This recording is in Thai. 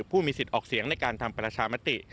ผู้มีสิทธิ์ออกเสียงในการทำประชามติ